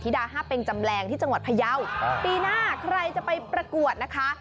ดาห้าเป็งจำแรงที่จังหวัดพยาวปีหน้าใครจะไปประกวดนะคะ